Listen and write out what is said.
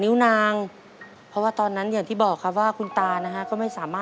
อเรนนี่ต้องมีวัคซีนตัวหนึ่งเพื่อที่จะช่วยดูแลพวกม้ามและก็ระบบในร่างกาย